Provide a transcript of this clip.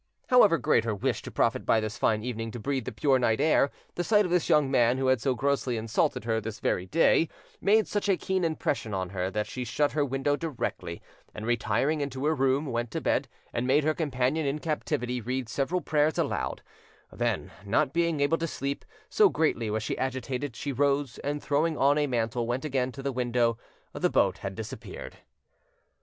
However great her wish to profit by this fine evening to breathe the pure night air, the sight of this young man who had so grossly insulted her this very day made such a keen impression on her that she shut her window directly, and, retiring into her room, went to bed, and made her companion in captivity read several prayers aloud; then, not being able to sleep, so greatly was she agitated, she rose, and throwing on a mantle went again to the window the boat had disappeared.